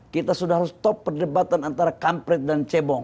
kita sudah harus top perdebatan antara kampret dan cebong